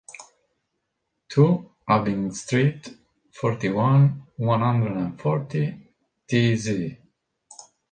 Two, Avigne street, forty-one, one hundred and forty, Thésée